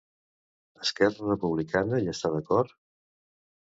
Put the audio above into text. Esquerra Republicana hi està d'acord?